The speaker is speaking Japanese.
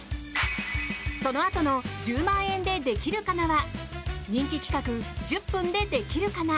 そのあとの「１０万円でできるかな」は人気企画「１０分でできるかな」。